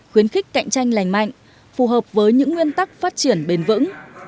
khuyến khích cạnh tranh lành mạnh phù hợp với những nguyên tắc phát triển bền vững